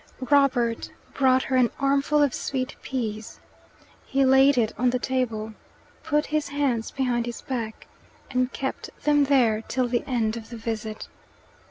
Robert brought her an armful of sweet peas. He laid it on the table, put his hands behind his back, and kept them there till the end of the visit.